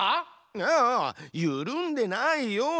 ああゆるんでないよ。